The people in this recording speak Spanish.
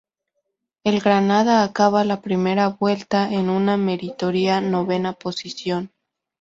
El Granada acaba la primera vuelta en una meritoria novena posición.